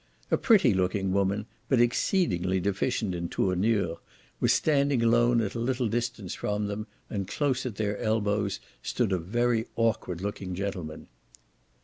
A pretty looking woman, but exceedingly deficient in tournure, was standing alone at a little distance from them and close at their elbows stood a very awkward looking gentleman.